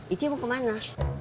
ici mau kemana